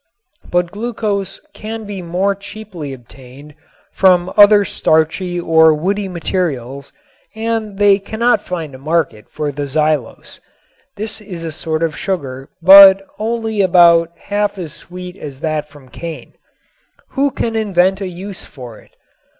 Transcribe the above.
But glucose can be more cheaply obtained from other starchy or woody materials and they cannot find a market for the xylose. This is a sort of a sugar but only about half as sweet as that from cane. Who can invent a use for it!